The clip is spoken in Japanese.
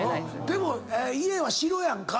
でも家は城やんか。